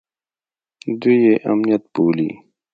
دوى يې امنيت بولي.